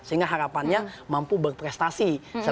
sehingga harapannya mampu berprestasi